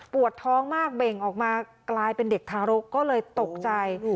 ท้องมากเบ่งออกมากลายเป็นเด็กทารกก็เลยตกใจ